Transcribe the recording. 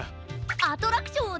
アトラクションをつくるんだ！